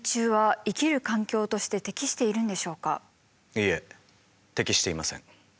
いいえ適していません。